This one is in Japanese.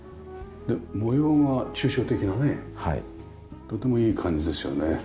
模様が抽象的なねとてもいい感じですよね。